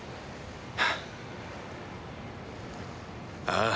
ああ。